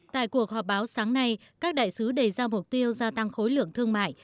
tại cuộc họp báo sáng nay các đại sứ đề ra mục tiêu gia tăng khối lượng thương mại